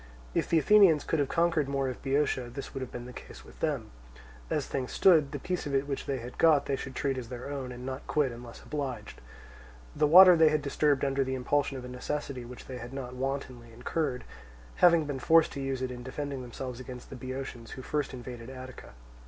If the Athenians could have conquered more of Boeotia this would have been the case with them: as things stood, the piece of it which they had got they should treat as their own, and not quit unless obliged. The water they had disturbed under the impulsion of a necessity which they had not wantonly incurred, having been forced to use it in defending themselves against the Boeotians who first invaded Attica.